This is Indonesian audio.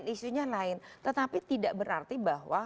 isunya lain tetapi tidak berarti bahwa